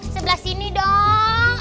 sebelah sini dong